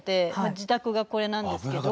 自宅がこれなんですけど。